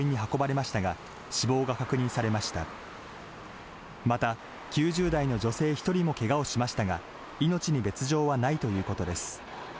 また、９０代の女性１人もけがをしましたが、命に別状はないということです。